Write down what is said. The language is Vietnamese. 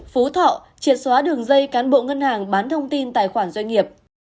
phú thọ triệt xóa đường dây cán bộ ngân hàng bán thông tin tài khoản doanh nghiệp